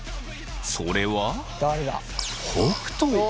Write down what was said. それは北斗。